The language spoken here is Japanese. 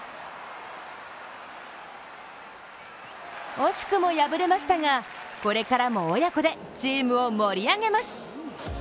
惜しくも敗れましたが、これからも親子でチームを盛り上げます。